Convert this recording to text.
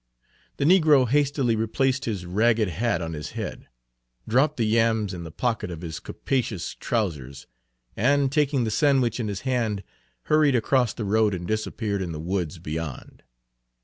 The negro hastily replaced his ragged hat on his head, dropped the yams in the pocket of his capacious trousers, and, taking the sandwich in his hand, hurried across the road and disappeared in the woods beyond.